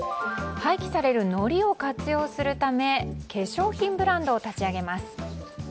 廃棄される、のりを活用するため化粧品ブランドを立ち上げます。